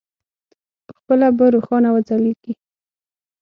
پخپله به روښانه وځلېږي.